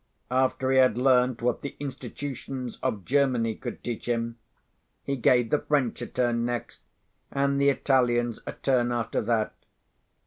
After he had learnt what the institutions of Germany could teach him, he gave the French a turn next, and the Italians a turn after that.